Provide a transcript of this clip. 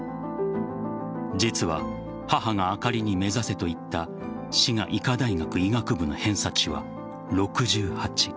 実は母があかりに目指せといった滋賀医科大学医学部の偏差値は６８。